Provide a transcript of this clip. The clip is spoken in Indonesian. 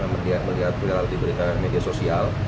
melihat perilaku di media sosial